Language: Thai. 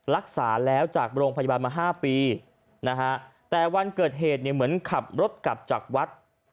รักษาแล้วจากโรงพยาบาลมา๕ปีนะฮะแต่วันเกิดเหตุเนี่ยเหมือนขับรถกลับจากวัด